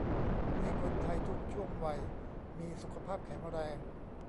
ให้คนไทยทุกช่วงวัยมีสุขภาพแข็งแรง